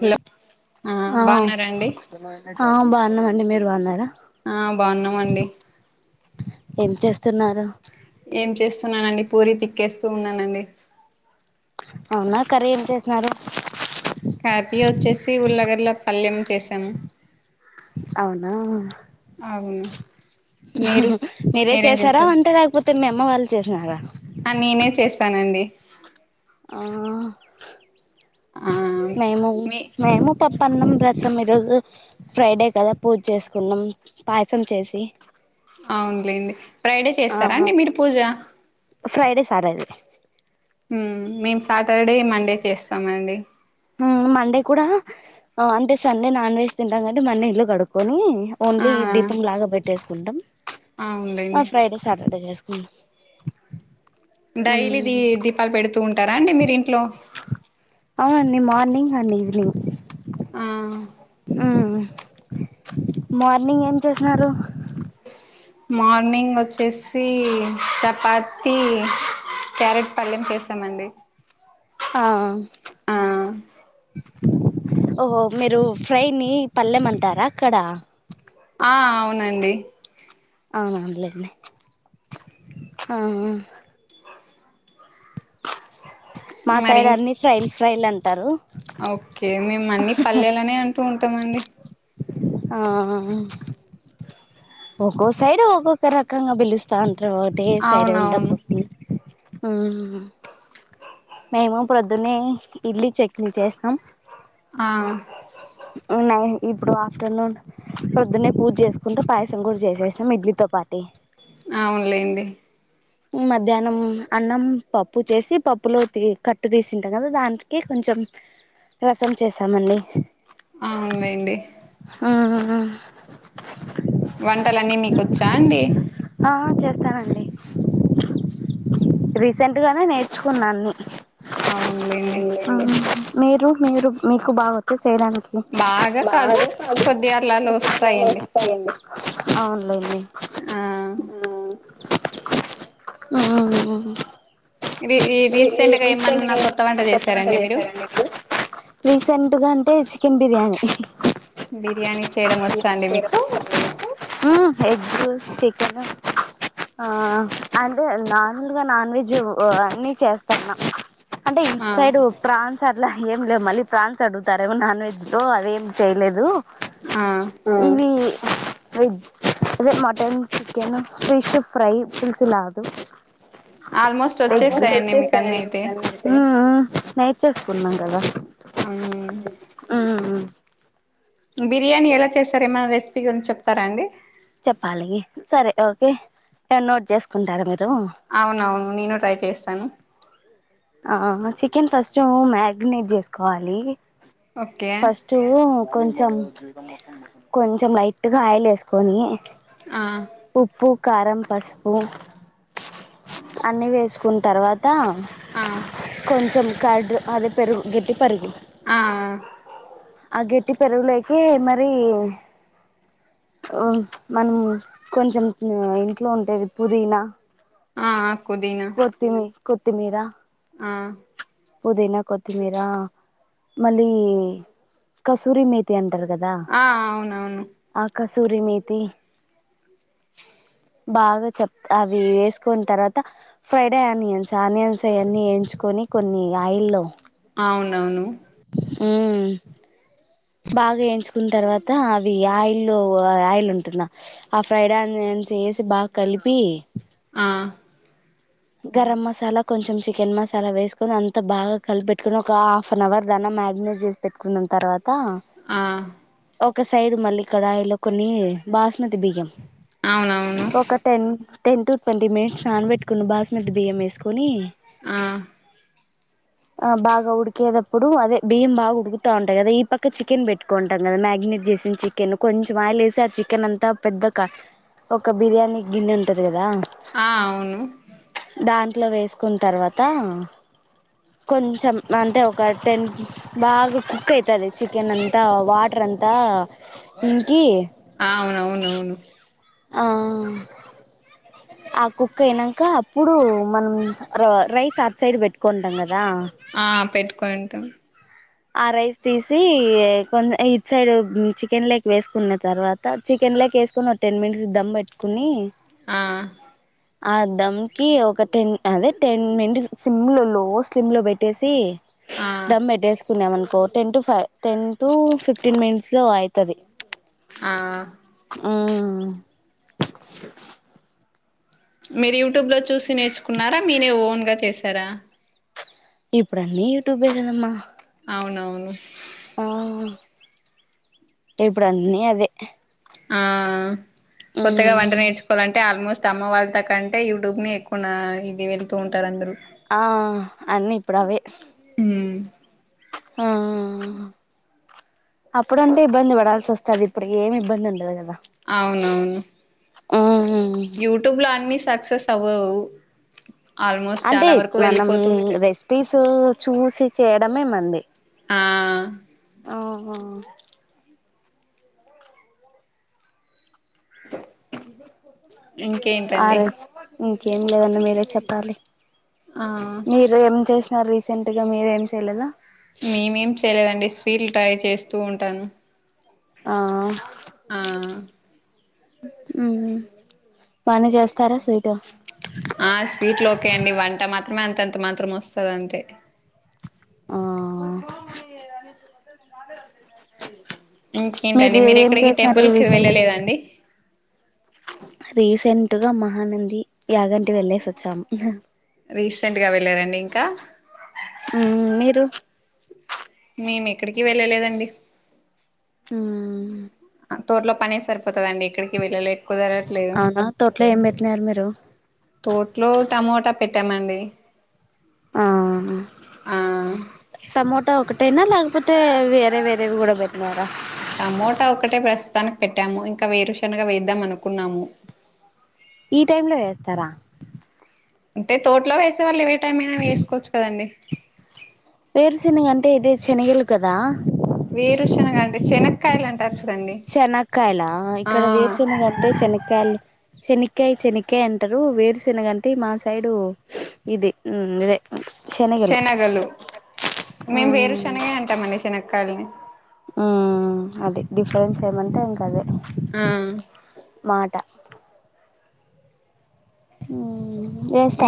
Hello ఆ బాగున్నారండి ఆ బాగున్నామండి మీరు బాగున్నారా ఆ బాగున్నామండి ఏం చేస్తున్నారు ఏం చేస్తున్నానండి పూరీ తిక్కేస్తూ ఉన్నానండి. అవునా కర్రీ ఏం చేసిననారు కర్రీ వచ్చేసి ఉర్లగడ్డ పలెం చేసాము అవునా అవును మీరు అహహు మీరే మీరేం చేసారా చేస్తారు వంట లేకపోతే మీ అమ్మ వాళ్ళు చేసినారా. ఆ నేనే చేసానండి ఆ ఆ మేము మీ మేము పప్పన్నం రసం ఈ రోజు ఫ్రైడే కదా పూజ చేసుకున్నాం పాయసం చేసి అవునులేండి ఫ్రైడే ఆ చేస్తారా అండి మీరు పూజ ఫ్రైడే సాటర్డే ఉ మేము సాటర్డే మండే చేస్తామండి ఉ మండే కూడా అంటే సండే నాన్ వెజ్ తింటాం కాట్టి మండే ఇల్లు కడుక్కొని ఆ ఓన్లీ దీపం లాగా పెట్టేసుకుంటాం అవునులేండి ఫ్రైడే సాటర్డే చేసుకుంటాం. డైలీ ది దీపాలు పెడుతూ ఉంటారా అండి మీరు ఇంట్లో. అవునండి మార్నింగ్ అండ్ ఈవినింగ్ ఉ ఉ మార్నింగ్ ఏం చేసినారు మార్నింగ్ వచ్చేసి చపాతీ క్యారెట్ పల్లెం చేసామండి ఆ ఆ ఓహో మీరు ఫ్రై ని పల్లెంమంటారా అక్కడ ఆ అవునండి అవునవును లేండి ఆ ఆ మా మరి సైడ్ అన్ని ఫ్రైల్ ఫ్రైల్ అంటారు ఓకే మేము అన్ని పల్లెలనే అంటూ ఉంటామండి ఆ ఒక్కొ సైడ్ ఒక్కొక్క రకంగా పిలుస్తా ఉంటరు ఒకటే సైడ్ అవునవును ఉండపుడు ఆ ఆ మేము ప్రొద్దునే ఇడ్లీ చట్నీ చేస్తాం ఆ ఉన్నాయి ఇప్పుడు ఆఫ్టర్నూన్ పొద్దున్నే పూజ చేసుకుంటూ పాయసం కూడా చేసేసినాం ఇడ్లీతో పాటే అవునులేండి మధ్యాహ్నం అన్నం పప్పు చేసి పప్పులో కట్టు తీసింటాం కదా దానికి కొంచెం రసం చేసామండి ఆవును లేండి ఆ ఆ వంటలన్నీ మీకు వచ్చా అండి ఆ చేస్తానండి రీసెంట్ గానే నేర్చుకున్నా అన్ని అవునులేండి ఆ మీరు మీరు మీకు బాగా వచ్చా చేయడానికి బాగా కాదు కొద్దిగా అట్లా అలా వస్తాయండి అవునులేండి ఆ ఉమ్ ఉమ్ రీ ఏఏఏ రీసెంట్గా రీసెంట్ ఏమన్నా గా అమ్మన్న కొత్త వంట చేసారండి మీరు చేసారా అండి మీరు రీసెంట్గా అంటే చికెన్ బిర్యానీ బిర్యానీ చేయడం వచ్చా అండి మీకు ఉమ్ ఎగ్ చికెన్ ఆ అంటే నార్మల్గా నాన్ వెజ్ అన్ని చేస్తాన్నా అంటే ఈ టు ఆ సైడ్ ఉ ఫ్రాన్స్ సార్ లే ఏం లేవు మళ్ళీ ప్రాన్స్ అడుగుతారేమో నాన్ వెజ్ తో అదేం చేయలేదు ఆమ్ ఇవి వెజ్ అదే mutton chicken fish fry piece లాటన్ ఆల్మోస్ట్ అయితే వచ్చేస్తాయండి మీకు చేసేసారా అన్నీ నేమో అయితే ఉమ్ ఉమ్ నైట్ చేసుకున్నాం కాదా అని ఉమ్ బిర్యానీ ఎలా చేస్తారో ఏమైనా రెసిపీ గురించి చెప్తారా అండి చెప్పాలి సరే ఓకే కాని నోట్ చేసుకుంటారా మీరు అవునవును నేను ట్రై చేస్తాను ఆ చికెన్ ఫస్ట్ మ్యాగెనేట్ చేసుకోవాలి ఓకే చెయ్యె కొంచెం కొంచెం లైట్గా ఆయిల్ వేసుకొని ఆ ఉప్పు కారం పసుపు అన్ని వేసు కున్ తర్వాత ఆ కొంచెం కర్డ్ అది పెరుగు గిట్టి పెరుగు ఆ ఆ గిట్టి పెరుగులోకి మరీ ఆ మనం కొంచెం ఇంట్లో ఉంటేది పుదీనా ఆ ఆ పుదీనా కొత్తిమీ కొత్తిమీరా ఆ పుదీనా కొత్తిమీరా మళ్ళీ కసూరి మేతి అంటరు కదా ఆ అవునవును ఆ కసూరి మేతి బాగా చెప్ అవీ వేసుకోని తర్వాత ఫ్రైడె ఆనియన్స్ ఆనియన్స్ అయన్నీ యేయించుకొని కొన్ని ఆయిల్లో అవునవును మ్మ్ బాగా ఏయించుకున్న తర్వాత అవి ఆయిల్లో ఆయిల్ ఉంటుంద ఆ ఫ్రైడ్ ఆనియన్స్ ఏసి బాగ కలిపి ఆ గరం మసాలా కొంచెం చికెన్ మసాలా వేసుకొని అంత బాగా కలిపెట్కొని ఒక హాఫ్ అన్ అవర్ దాన్న మారినేట్ చే పెట్టుకున్న తర్వాత ఆ ఒక సైడ్ మళ్ళీ కడాయి లో కొన్ని బాస్మతి బియ్యం అవునవును ఒక ten ten to twenty minutes నాన బెట్టుకున్న బాస్మతి బియ్య వేసుకొని ఆ ఆ బాగా ఉడికేటప్పుడు అదే బియ్యం బగా ఉడుకుతా ఉంటాయి కదా ఈ పక్క చికెన్ పెట్ కొంటం కదా మ్యాగినేట్ చేసిన చికెన్ కొంచెం ఆయిలేసి ఆ చికెన్ అంతా పెద్ద క ఒక బిర్యానీ గిన్నె ఉంటది కదా ఆ అవును దాంట్లో వేసుకున్ తర్వాత కొంచెం అంటే ఒక టెన్ బాగా కుక్ అయితది చికెన్ అంతా వాటర్ అంతా ఇంకీ, అవునవునవును ఆ ఆ కుక్ అయినంక అప్పుడు మనం ర రైస్ అట్ సైడ్ పెట్టుకుంటాం కదా ఆ పెట్టుకుంటం ఆ రైస్ తీసి కొంచం ఇది సైడ్ చికెన లక్ వేసుకున్న తర్వాత చికెన్లోకేసుకొని ఒక టెన్ మిట్స్ దమ్ బెట్టుకోని ఆ అ దంకి ఒక టెన్ అదే టెన్ మనిట్ స్లిమ్ లో లో స్లిమ్ లో పెట్టేసి ఆ దం పెట్టేసి తన్నాం అనుకో ten to five ten to fifteen minutes లో అయితది ఆ మ్మ్ మీరు యూట్యూబ్లో చూసి నేర్చుకున్నారా మీనే ఓన్గా చేశారా ఇప్పుడు అన్నీ యూట్యూబ్ ఏ కధ అమ్మ అవునవును ఆ ఇప్పుడన్నీ అదే ఆ కొత్తగా వంట మ్మ్ నేర్చుకోవాలంటే ఆల్మోస్ట్ అమ్మ వాళ్ళ త కంటే యూట్యూబ్మీ ఎక్కువ ఇది వెళ్తూ ఉంటారు అందరుూ ఆ అన్నీ ఇప్పుడు అవే ఉమ్ ఆ ఆ ఆ అప్పుడుంటే ఇబ్బంది పడాల్సి వస్తది ఇప్పుడు ఏమి ఇబ్బంది ఉండదు కదా అవునవును ఆహ యూట్యూబ్ లో అన్ని సక్సెస్ అవ్వవు ఆల్మోస్ట్ అంటే చాలా వరకు మనం వెళ్ళిపోతూ ఉంటాయి రెసిపీస్ చూసి చేయడమే మంది ఆ ఓహో ఆ ఇంకేంటండి రజ ఇంకేం లేదండి మీరే చెప్పాలి ఆ మీరు ఏం చేసిన రీసెంట్ గా మీరేం చేయలేదా మేమేం చేయలేదండి స్వీట్లు ట్రై చేస్తూ ఉంటాను ఆ ఆ ఉమ్ పని చేస్తారా స్వీట్ ఆ స్వీట్ లో ఓకే అండి వంట మాత్రమే అంతంత మాత్రం వస్తది అంతే ఆహ మీరు ఏం చేసిన రీసెంట్ అండి రీసెంట్గా మహానంది యాగంటి వెళ్లేేసి వచ్చాము రీసెంట్ గా వెళ్ళారండి ఇంకా ఉమ్ మీరు మేమేక్కడికి వెళ్ళలేదండి ఉమ్ టూర్లో పనే సరిపోతుందండి ఇక్కడికి వెళ్ళలె కుధరట్లేదు అవునా తోట్లో ఏం పెట్టినారు మీరు తోట్లో టమోటా పెట్టామండి ఆ ఆ టమోటా ఒకటైనా లేకపోతే వేరే వేరేవి కూడా పెట్టినారా టమోటా ఒకటే ప్రస్తుతానికి పెట్టాము ఇంకా వేరుశనగా వేద్దాం అనుకున్నాము ఈ టైమ్ లో ఏస్తారా అంటే తోటలో వేసే వాళ్ళు ఏవే టైం అయినా వేసుకోవచ్చు కదండి వేరుచెనగా అంటే ఇదే శనగలు కదా వేరుశనగా అంటే చెనక్కాయలు అంటరు చూడండి చెనకాయలా ఇక్కడ వేరుశనగాంటే చెనకాయలు చెనక్కయ చెనక్కయ అంటారు వేరుశెనగంటే మా సైడు ఇది ఉ ఇదే శనగలు ఆ మేము వేరు శనగ అంటమండి శనగక్కళని ఉమ్ అది డిఫరెన్స్ ఏమంటే ఇంకా అదే ఆ మాట ఉ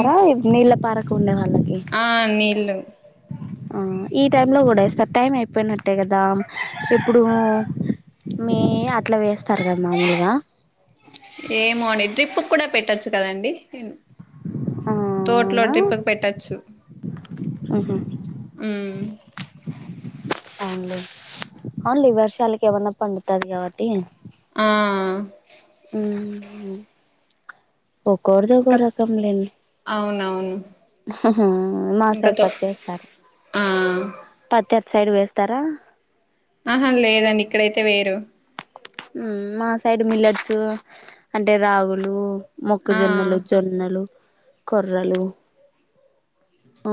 ఇం నీళ్ళ పారకు ఉండే వాళ్ళకి ఆ నీళ్లు ఆ ఈ టైమ్ లో కూడా వేస్తారు టైమ్ అయిపోయినట్టేయి కదా ఎప్పుడు మీ అట్లా వేస్తారు కదా మామూలుగా ఏమో అండి డ్రిప్పుక్కుడా పెట్టొచ్చు కదండి ఆ తోటలో అవునా డ్రిప్పుకు పెట్టచ్చు ఉహు ఉమ్ అవునులే, అవునులే ఇ వర్షాలకు ఏమన్న పండుతది గాబట్టి ఆ ఉమ్ ఒక్కోరిది ఇంకా ఒక్కోరకం లేండి అవునవును ఆ మా ఇంకా సైడ్ తో పత్తి ఏస్తారు ఆ పత్తి అటు సైడ్ వేస్తారా ఆహా లేదండి ఇక్కడైతే వెయ్యరు ఉమ్ మా సైడ్ మిల్లట్స్ అంటే రాగులు, ఆ మొక్కజొన్నలు, జొన్ న్నలు కొర్రలు ఆ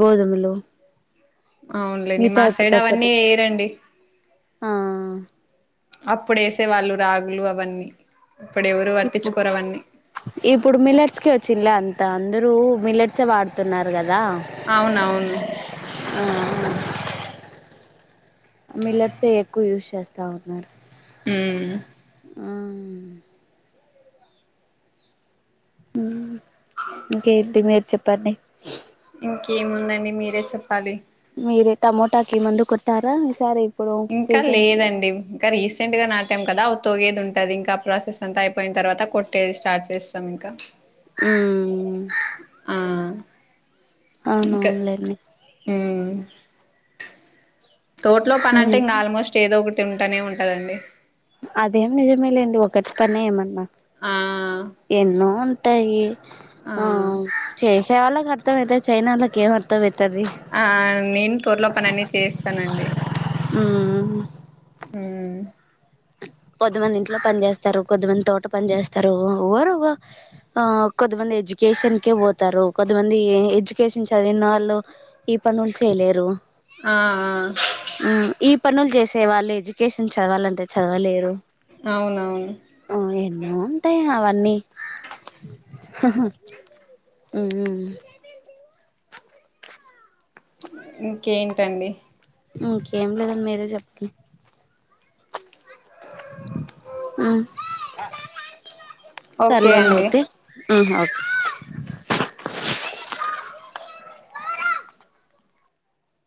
గోధుమలు అవునులేండి మిగతా మా ప్రతి సైడ్ అవన్నీ ఒక్కటి వెయ్యరండి ఆ అప్పుడు ఏసే వాళ్లు రాగులు అవన్నీ ఇప్పుడెవరు ఇప్పుడు పట్టిచ్చుకోరు అవన్నీ ఇప్పుడు మిల్లట్స్ కె వచ్చింలా అంత అందరూ మిల్లట్స్ ఎ వాడుతున్నారు గదా అవునవును ఆ మిల్లట్స్ ఏ ఎక్కువ యూస్ చేస్తా ఉన్నారు ఉమ్ ఆ ఇంకేంటి మీరు చెప్పండి ఇంకేముందండి మీరే చెప్పాలి మీరే టమోటా కి ముందు కొట్టారా ఈసారి ఇప్పుడు ఇంకా రీసెంట్లీ లేదండి కా రీసెంట్ గా నాటాం కదా అ తోగేది ఉంటది ఇంకా ప్రాసెస్ అంతా అయిపోయిన తర్వాత కొట్టేది స్టార్ట్ చేస్తాం ఇంకా ఉమ్ ఆ అవును ఇంకా అవునులెండి ఉమ్ తోటలో మరి పనంటే ఇంకా ఆల్మోస్ట్ చే దోఒకటి ఉంటనే ఉంటదండి అదేం నిజమే లేండి ఒకటి పని ఏమన్నా ఆ ఎన్నో ఉన్ ట్టాయి ఆ చేసే వాళ్ళకి అర్థం అయితది చెయ్యనాల్లకి ఏం అర్థం అయితది అ ఆ నేను తోటలో పని అన్ని చేస్తానండి ఉమ్ ఉమ్ కొద్దిమంది ఇంట్లో పని జేస్తరు, కొద్దిమంది తోట పని జేస్తరు ఒ ఒవ్వరు ఓగ ఆ కొద్దిమంది ఎడ్యుకేషన్కే పోతారు కొంతమంది ఎ ఎడ్యుకేషన్ చదివిన వాళ్ళు ఈ పనులు చేయలేరు ఆ ఆ ఈ పనులు జేసే వాళ్ళు ఎడ్యుకేషన్ చదవాలంటే చదవలేరు అవునవును ఓ ఎన్నో ఉంటయి అవన్నీ ఊమ్ ఉమ్ ఇంకేంటండి ఇంకేం లేదండి మీరే చె [inaudible] ఊ అ ఓకే సర్లేేండి అండి అయితే హూమ్ ఓక్